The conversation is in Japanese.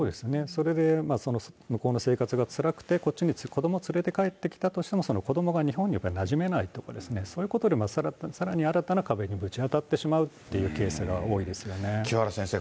それで向こうの生活がつらくて、こっちに子どもを連れて帰ってきたとしても、子どもが日本になじめないとか、そういうことでさらに新たな壁にぶち当たってしまうというケース清原先生、